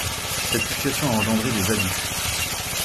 Cette situation a engendré des abus.